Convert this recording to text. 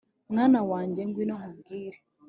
mwana wanjye ngwino nkubwire